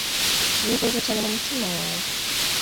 wifuje cyane mu mutima wawe